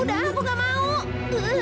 kuda aku enggak mau